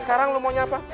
sekarang lu maunya apa